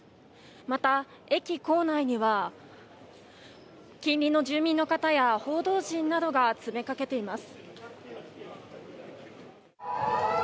また、駅構内には近隣の住民の方や報道陣などが積みかけています。